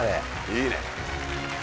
いいね。